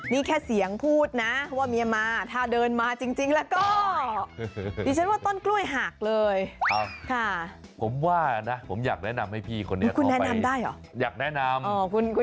นี้แค่เสียงพูดนะว่าเมียมาถ้าเดินมาจริงแล้วก็